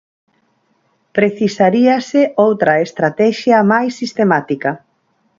Precisaríase outra estratexia máis sistemática.